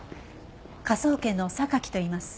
科捜研の榊といいます。